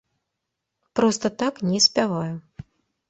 Проста так не спяваю.